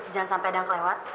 jangan sampai ada kelewat